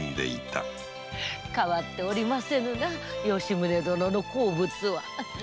変わっておりませぬな吉宗殿の好物は。